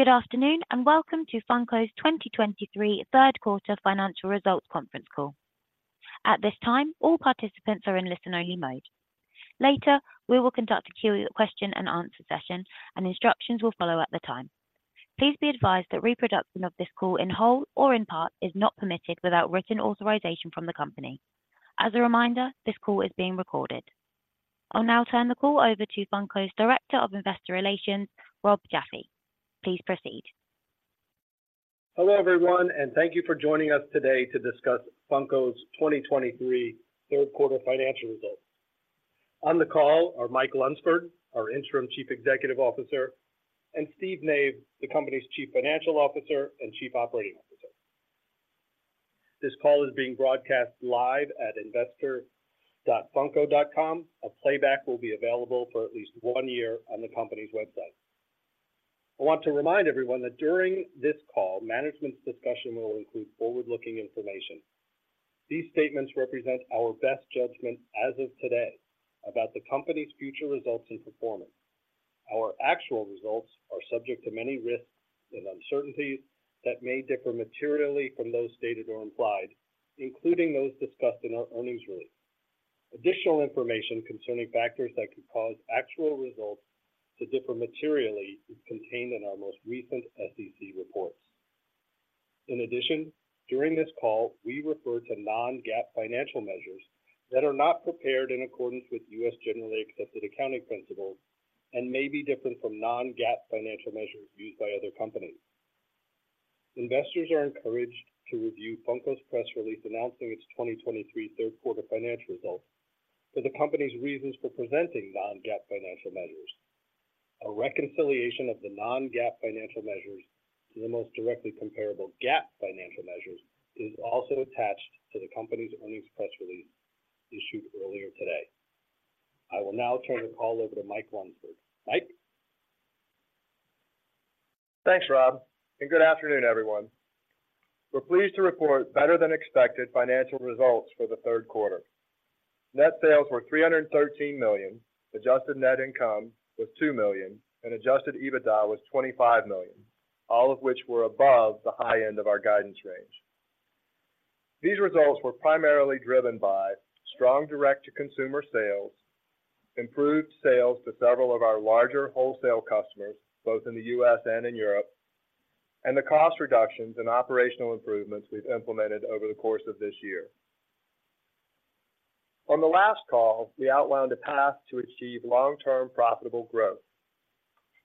Good afternoon, and welcome to Funko's 2023 third quarter financial results conference call. At this time, all participants are in listen-only mode. Later, we will conduct a Q, question and answer session, and instructions will follow at the time. Please be advised that reproduction of this call in whole or in part is not permitted without written authorization from the company. As a reminder, this call is being recorded. I'll now turn the call over to Funko's Director of Investor Relations, Rob Jaffe. Please proceed. Hello, everyone, and thank you for joining us today to discuss Funko's 2023 third quarter financial results. On the call are Mike Lunsford, our Interim Chief Executive Officer, and Steve Nave, the company's Chief Financial Officer and Chief Operating Officer. This call is being broadcast live at investor.funko.com. A playback will be available for at least one year on the company's website. I want to remind everyone that during this call, management's discussion will include forward-looking information. These statements represent our best judgment as of today about the company's future results and performance. Our actual results are subject to many risks and uncertainties that may differ materially from those stated or implied, including those discussed in our earnings release. Additional information concerning factors that could cause actual results to differ materially is contained in our most recent SEC reports. In addition, during this call, we refer to non-GAAP financial measures that are not prepared in accordance with U.S. generally accepted accounting principles and may be different from non-GAAP financial measures used by other companies. Investors are encouraged to review Funko's press release announcing its 2023 third quarter financial results for the company's reasons for presenting non-GAAP financial measures. A reconciliation of the non-GAAP financial measures to the most directly comparable GAAP financial measures is also attached to the company's earnings press release issued earlier today. I will now turn the call over to Mike Lunsford. Mike? Thanks, Rob, and good afternoon, everyone. We're pleased to report better than expected financial results for the third quarter. Net sales were $313 million, adjusted net income was $2 million, and adjusted EBITDA was $25 million, all of which were above the high end of our guidance range. These results were primarily driven by strong direct-to-consumer sales, improved sales to several of our larger wholesale customers, both in the U.S. and in Europe, and the cost reductions and operational improvements we've implemented over the course of this year. On the last call, we outlined a path to achieve long-term profitable growth.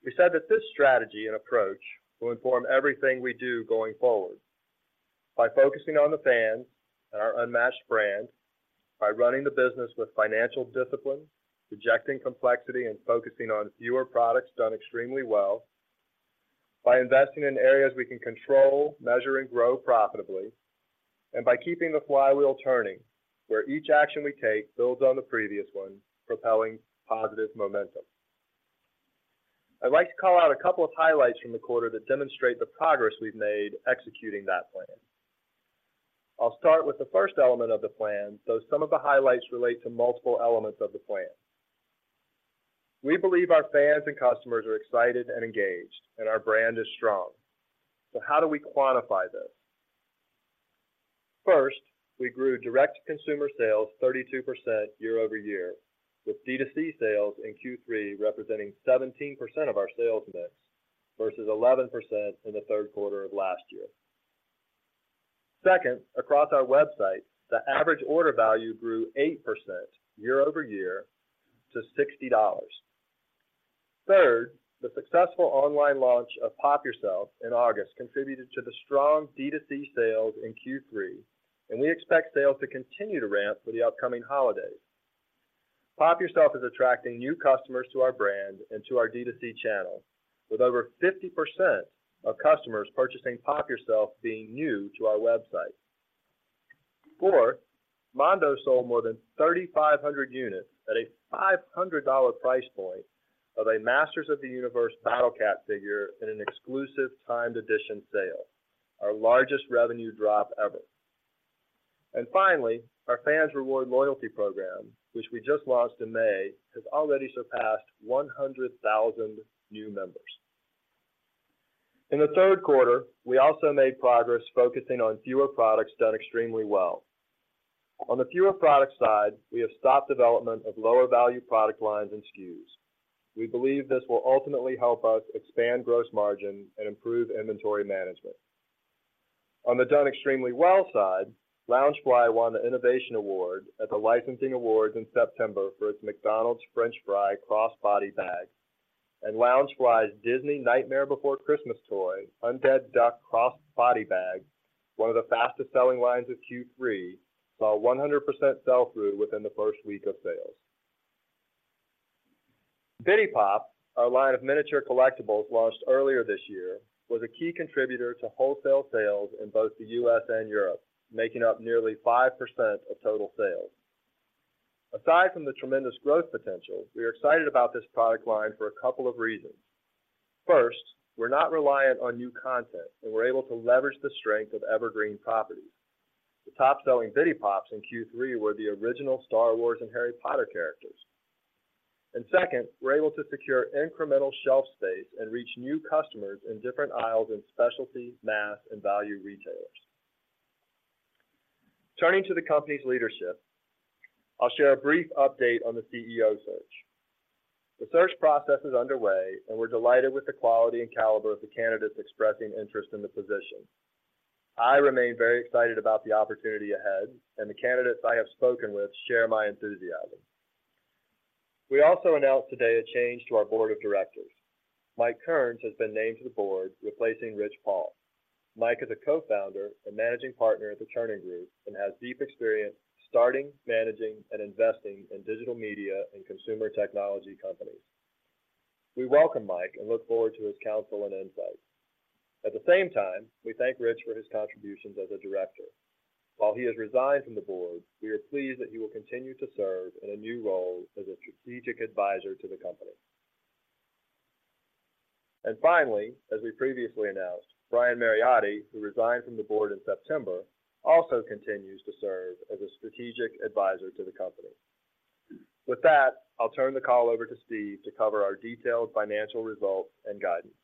We said that this strategy and approach will inform everything we do going forward. By focusing on the fans and our unmatched brand, by running the business with financial discipline, rejecting complexity, and focusing on fewer products done extremely well, by investing in areas we can control, measure, and grow profitably, and by keeping the flywheel turning, where each action we take builds on the previous one, propelling positive momentum. I'd like to call out a couple of highlights from the quarter that demonstrate the progress we've made executing that plan. I'll start with the first element of the plan, though some of the highlights relate to multiple elements of the plan. We believe our fans and customers are excited and engaged, and our brand is strong. So how do we quantify this? First, we grew direct-to-consumer sales 32% year-over-year, with D2C sales in Q3 representing 17% of our sales mix, versus 11% in the third quarter of last year. Second, across our website, the average order value grew 8% year-over-year to $60. Third, the successful online launch of Pop! Yourself in August contributed to the strong D2C sales in Q3, and we expect sales to continue to ramp for the upcoming holidays. Pop! Yourself is attracting new customers to our brand and to our D2C channel, with over 50% of customers purchasing Pop! Yourself being new to our website. Four, Mondo sold more than 3,500 units at a $500 price point of a Masters of the Universe Battle Cat figure in an exclusive timed edition sale, our largest revenue drop ever. Finally, our Fan Rewards loyalty program, which we just launched in May, has already surpassed 100,000 new members. In the third quarter, we also made progress focusing on fewer products done extremely well. On the fewer product side, we have stopped development of lower-value product lines and SKUs. We believe this will ultimately help us expand Gross Margin and improve inventory management. On the done extremely well side, Loungefly won the Innovation Award at the Licensing Awards in September for its McDonald's French Fry crossbody bag, and Loungefly's Disney Nightmare Before Christmas Undead Duck crossbody bag, one of the fastest-selling lines of Q3, saw 100% sell-through within the first week of sales. Bitty Pop!, our line of miniature collectibles launched earlier this year, was a key contributor to wholesale sales in both the U.S. and Europe, making up nearly 5% of total sales. Aside from the tremendous growth potential, we are excited about this product line for a couple of reasons. First, we're not reliant on new content, and we're able to leverage the strength of evergreen properties. The top-selling vinyl Pops in Q3 were the original Star Wars and Harry Potter characters.... And second, we're able to secure incremental shelf space and reach new customers in different aisles in specialty, mass, and value retailers. Turning to the company's leadership, I'll share a brief update on the CEO search. The search process is underway, and we're delighted with the quality and caliber of the candidates expressing interest in the position. I remain very excited about the opportunity ahead, and the candidates I have spoken with share my enthusiasm. We also announced today a change to our board of directors. Mike Kerns has been named to the board, replacing Rich Paul. Mike is a co-founder and managing partner at The Chernin Group and has deep experience starting, managing, and investing in digital media and consumer technology companies. We welcome Mike and look forward to his counsel and insight. At the same time, we thank Rich for his contributions as a director. While he has resigned from the board, we are pleased that he will continue to serve in a new role as a strategic advisor to the company. Finally, as we previously announced, Brian Mariotti, who resigned from the board in September, also continues to serve as a strategic advisor to the company. With that, I'll turn the call over to Steve to cover our detailed financial results and guidance.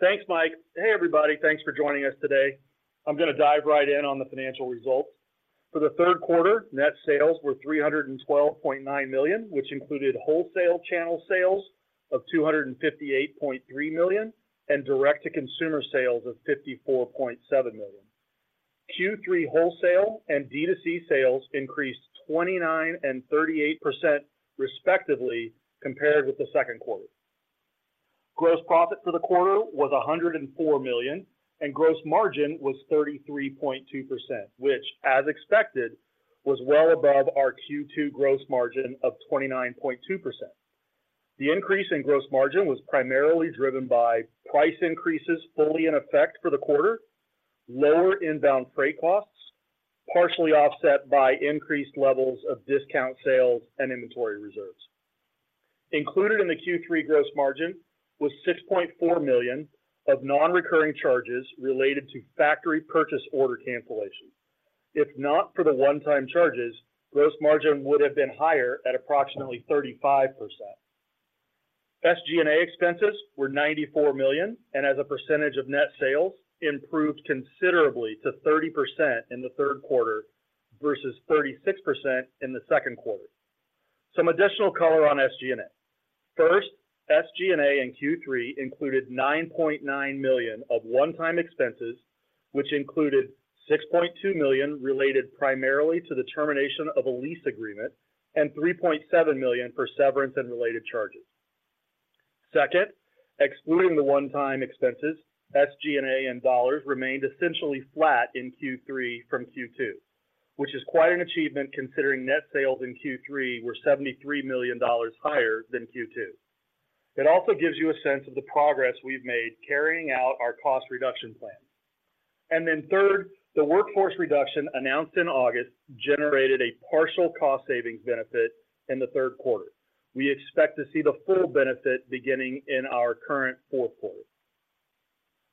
Thanks, Mike. Hey, everybody. Thanks for joining us today. I'm gonna dive right in on the financial results. For the third quarter, net sales were $312.9 million, which included wholesale channel sales of $258.3 million, and direct-to-consumer sales of $54.7 million. Q3 wholesale and D2C sales increased 29% and 38% respectively, compared with the second quarter. Gross profit for the quarter was $104 million, and gross margin was 33.2%, which, as expected, was well above our Q2 gross margin of 29.2%. The increase in gross margin was primarily driven by price increases fully in effect for the quarter, lower inbound freight costs, partially offset by increased levels of discount sales and inventory reserves. Included in the Q3 gross margin was $6.4 million of non-recurring charges related to factory purchase order cancellations. If not for the one-time charges, gross margin would have been higher at approximately 35%. SG&A expenses were $94 million, and as a percentage of net sales, improved considerably to 30% in the third quarter versus 36% in the second quarter. Some additional color on SG&A. First, SG&A in Q3 included $9.9 million of one-time expenses, which included $6.2 million related primarily to the termination of a lease agreement and $3.7 million for severance and related charges. Second, excluding the one-time expenses, SG&A in dollars remained essentially flat in Q3 from Q2, which is quite an achievement, considering net sales in Q3 were $73 million higher than Q2. It also gives you a sense of the progress we've made carrying out our cost reduction plan. Then third, the workforce reduction announced in August generated a partial cost savings benefit in the third quarter. We expect to see the full benefit beginning in our current fourth quarter.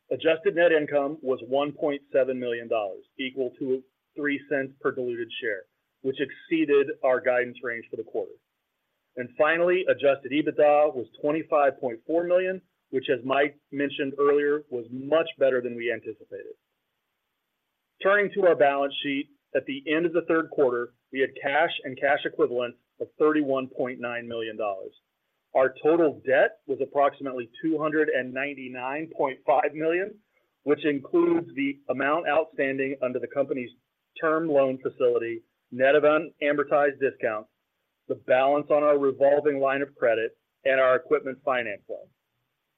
Adjusted net income was $1.7 million, equal to $0.03 per diluted share, which exceeded our guidance range for the quarter. Finally, adjusted EBITDA was $25.4 million, which, as Mike mentioned earlier, was much better than we anticipated. Turning to our balance sheet, at the end of the third quarter, we had cash and cash equivalents of $31.9 million. Our total debt was approximately $299.5 million, which includes the amount outstanding under the company's term loan facility, net of unamortized discounts, the balance on our revolving line of credit, and our equipment finance loan.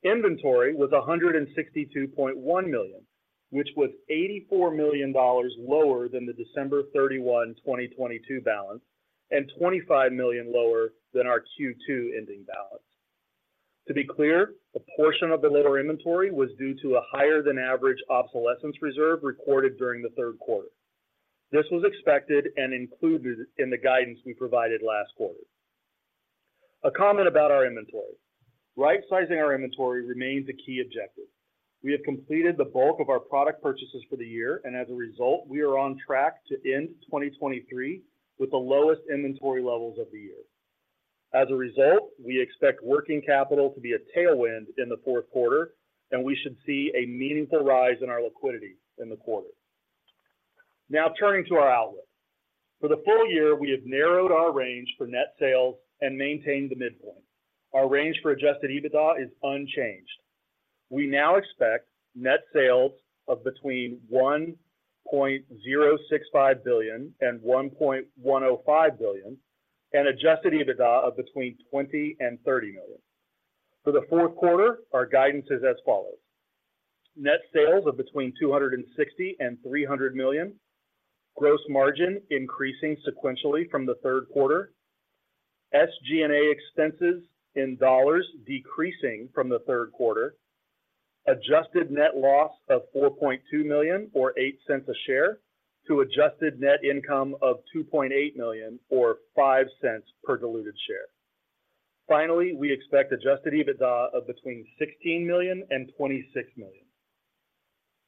Inventory was $162.1 million, which was $84 million lower than the December 31, 2022 balance, and $25 million lower than our Q2 ending balance. To be clear, a portion of the lower inventory was due to a higher than average obsolescence reserve recorded during the third quarter. This was expected and included in the guidance we provided last quarter. A comment about our inventory. Rightsizing our inventory remains a key objective. We have completed the bulk of our product purchases for the year, and as a result, we are on track to end 2023 with the lowest inventory levels of the year. As a result, we expect working capital to be a tailwind in the fourth quarter, and we should see a meaningful rise in our liquidity in the quarter. Now, turning to our outlook. For the full year, we have narrowed our range for net sales and maintained the midpoint. Our range for adjusted EBITDA is unchanged. We now expect net sales of between $1.065 billion and $1.105 billion, and adjusted EBITDA of between $20 million and $30 million. For the fourth quarter, our guidance is as follows: Net sales of between $260 million and $300 million, gross margin increasing sequentially from the third quarter, SG&A expenses in dollars decreasing from the third quarter, adjusted net loss of $4.2 million or $0.08 a share to adjusted net income of $2.8 million or $0.05 per diluted share. Finally, we expect adjusted EBITDA of between $16 million and $26 million....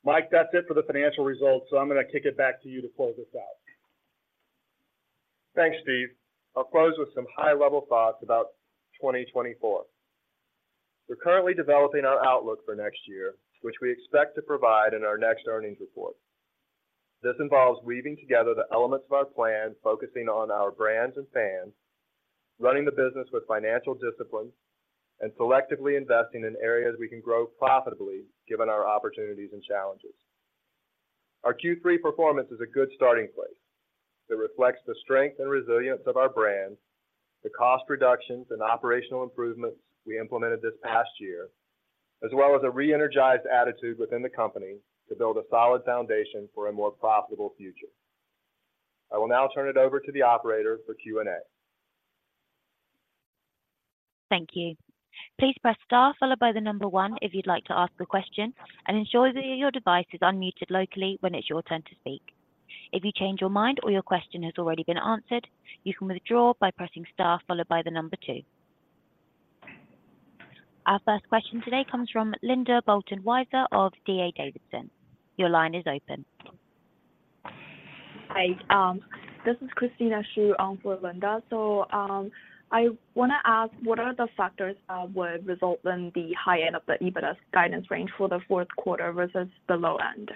Mike, that's it for the financial results, so I'm gonna kick it back to you to close this out. Thanks, Steve. I'll close with some high-level thoughts about 2024. We're currently developing our outlook for next year, which we expect to provide in our next earnings report. This involves weaving together the elements of our plan, focusing on our brands and fans, running the business with financial discipline, and selectively investing in areas we can grow profitably, given our opportunities and challenges. Our Q3 performance is a good starting place. It reflects the strength and resilience of our brand, the cost reductions and operational improvements we implemented this past year, as well as a re-energized attitude within the company to build a solid foundation for a more profitable future. I will now turn it over to the operator for Q&A. Thank you. Please press star followed by the number one if you'd like to ask a question, and ensure that your device is unmuted locally when it's your turn to speak. If you change your mind or your question has already been answered, you can withdraw by pressing star followed by the number two. Our first question today comes from Linda Bolton Weiser of D.A. Davidson. Your line is open. Hi, this is Christina Scheu on for Linda. So, I wanna ask, what are the factors that would result in the high end of the EBITDA guidance range for the fourth quarter versus the low end?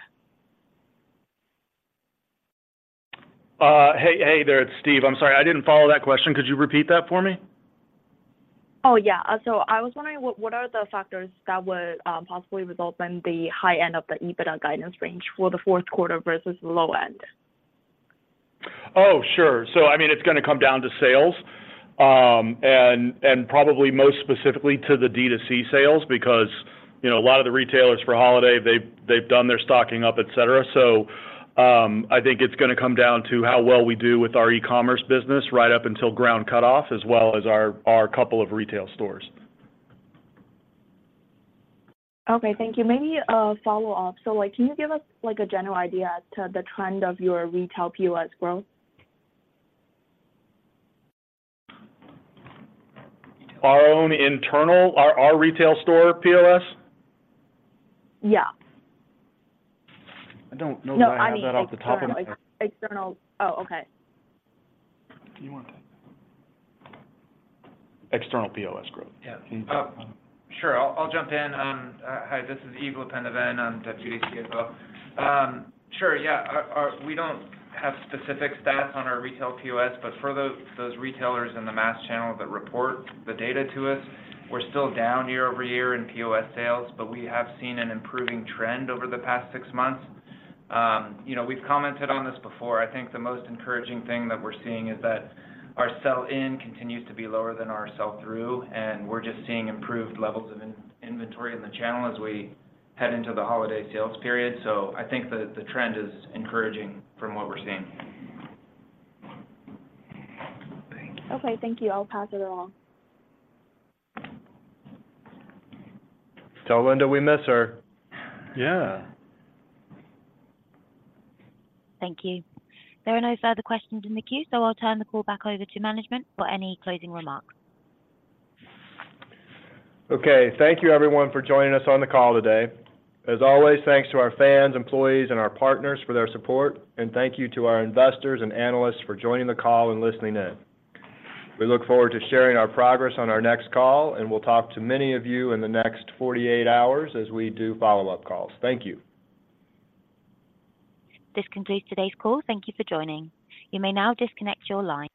Hey, hey there, it's Steve. I'm sorry, I didn't follow that question. Could you repeat that for me? Oh, yeah. So I was wondering, what, what are the factors that would possibly result in the high end of the EBITDA guidance range for the fourth quarter versus the low end? Oh, sure. So I mean, it's gonna come down to sales, and probably most specifically to the D2C sales, because, you know, a lot of the retailers for holiday, they've done their stocking up, et cetera. So, I think it's gonna come down to how well we do with our e-commerce business right up until Ground cutoff, as well as our couple of retail stores. Okay, thank you. Maybe a follow-up. So, like, can you give us, like, a general idea as to the trend of your retail POS growth? Our own internal our retail store POS? Yeah. I don't know that I have that off the top of my.. No, I mean, external. Oh, okay. Do you want that? External POS growth? Yeah. Sure. I'll jump in. Hi, this is Yves LePendeven on the D2C as well. Sure. Yeah, we don't have specific stats on our retail POS, but for those retailers in the mass channel that report the data to us, we're still down year-over-year in POS sales, but we have seen an improving trend over the past six months. You know, we've commented on this before. I think the most encouraging thing that we're seeing is that our sell-in continues to be lower than our sell-through, and we're just seeing improved levels of inventory in the channel as we head into the holiday sales period. So I think the trend is encouraging from what we're seeing. Thank you. Okay, thank you. I'll pass it along. Tell Linda we miss her. Yeah. Thank you. There are no further questions in the queue, so I'll turn the call back over to management for any closing remarks. Okay. Thank you, everyone, for joining us on the call today. As always, thanks to our fans, employees, and our partners for their support, and thank you to our investors and analysts for joining the call and listening in. We look forward to sharing our progress on our next call, and we'll talk to many of you in the next 48 hours as we do follow-up calls. Thank you. This concludes today's call. Thank you for joining. You may now disconnect your line.